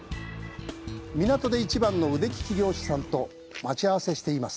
港で一番の腕きき漁師さんと待ち合わせています。